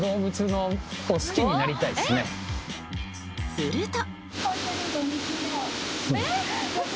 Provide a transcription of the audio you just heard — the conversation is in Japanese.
［すると］